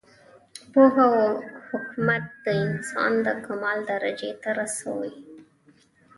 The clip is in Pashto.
پوهه او حکمت انسان د کمال درجې ته رسوي.